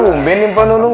bumbenin pak nunung